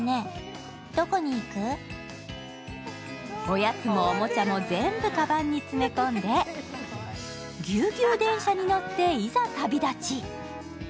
おやつもおもちゃも全部かばんに詰め込んでぎゅうぎゅう電車に乗っていざ、旅立ち。